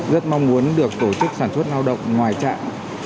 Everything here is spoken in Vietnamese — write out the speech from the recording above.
rất mong muốn được tổ chức sản xuất lao động ngoài trạm